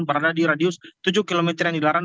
berada di radius tujuh km yang dilarang